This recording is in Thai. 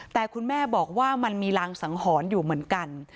แต่คุณแม่บอกว่ามันมีรางสังหรณ์อยู่เหมือนกัน